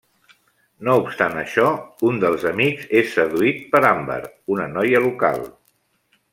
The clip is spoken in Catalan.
No obstant això, un dels amics és seduït per Amber, una noia local.